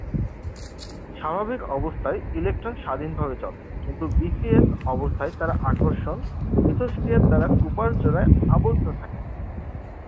স্বাভাবিক অবস্থায় ইলেকট্রন স্বাধীনভাবে চলে, কিন্তু বিসিএস অবস্থায় তারা আকর্ষণ মিথস্ক্রিয়ার দ্বারা কুপার জোড়ায় আবদ্ধ থাকে।